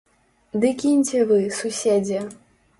Ды кіньце вы, суседзе!